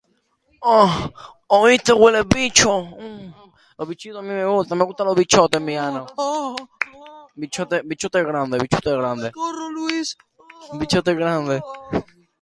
Informazioa askatasunean sinesten duen edozeinek sinatzeko modukoa da esaldia.